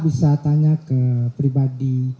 bisa tanya ke pribadi